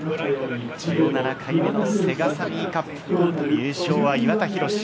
１７回目のセガサミーカップ、優勝は岩田寛。